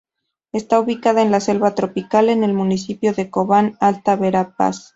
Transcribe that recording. Está ubicada en la selva tropical en el municipio de Cobán, Alta Verapaz.